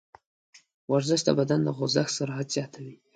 ورزش د بدن د خوځښت سرعت زیاتوي.